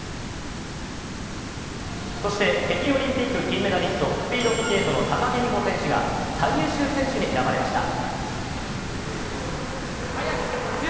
そして北京オリンピック金メダリスト、スピードスケートの高木美帆選手が最優秀選手に選ばれました。